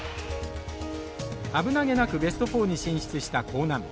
危なげなくベスト４に進出した興南。